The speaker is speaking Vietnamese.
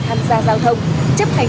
trong luật giao thông đường bộ đã bàn hành